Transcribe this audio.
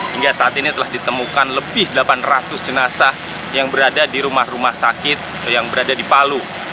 hingga saat ini telah ditemukan lebih delapan ratus jenazah yang berada di rumah rumah sakit yang berada di palu